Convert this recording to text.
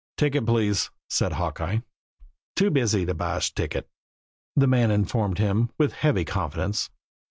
"Ticket, please," said Hawkeye. "Too busy to buysh ticket," the man informed him, with heavy confidence.